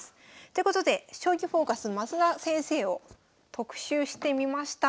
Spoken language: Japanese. ということで「将棋フォーカス」升田先生を特集してみました。